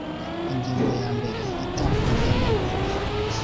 ingingo ya mbere itangwa ry amakuru